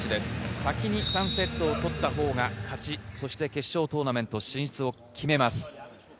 先に３セットを取ったほうが勝ち、そして決勝トーナメント進出を決めます。